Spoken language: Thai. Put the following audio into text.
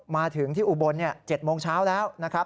มาถึงที่อุบล๗โมงเช้าแล้วนะครับ